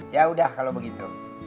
yaudah kalau begitu